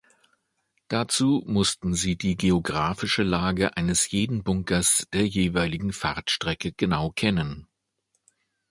Dazu mussten sie die geographische Lage eines jeden Bunkers der jeweiligen Fahrtstrecke genau kennen.